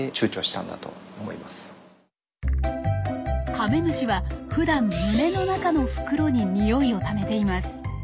カメムシはふだん胸の中の袋にニオイをためています。